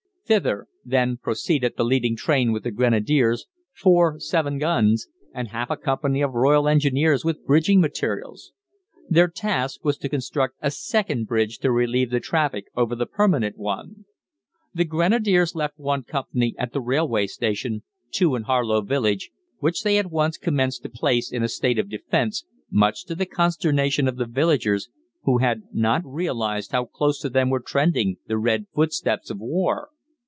Thither, then, proceeded the leading train with the Grenadiers, four 4·7 guns, and half a company of Royal Engineers with bridging materials. Their task was to construct a second bridge to relieve the traffic over the permanent one. The Grenadiers left one company at the railway station, two in Harlow village, which they at once commenced to place in a state of defence, much to the consternation of the villagers, who had not realised how close to them were trending the red footsteps of war.